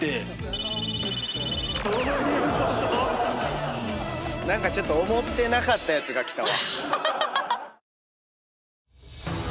そういうこと⁉何かちょっと思ってなかったやつがきたわ。